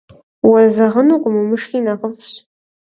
Уэзэгъынукъым, умышхи нэхъыфӏщ.